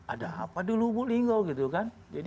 ada apa di lubulingga